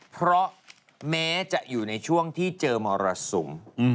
เพราะแม้จะอยู่ในช่วงที่เจอมรสุม